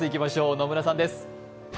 野村さんです。